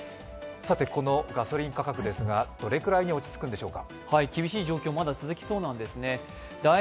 このガソリン価格ですが、どれくらいに落ち着くんでしょうか。